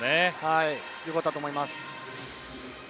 よかったと思います。